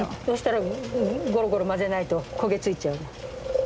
そしたらゴロゴロ混ぜないと焦げ付いちゃうの。